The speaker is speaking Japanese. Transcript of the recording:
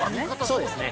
◆そうですね。